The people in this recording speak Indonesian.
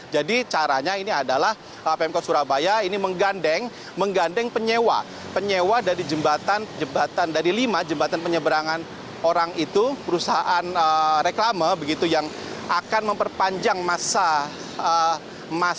jadi caranya ini adalah pemkot surabaya ini menggandeng penyewa penyewa dari lima jembatan penyeberangan orang itu perusahaan reklama begitu yang akan memperpanjang masa konteks